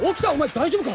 大丈夫か？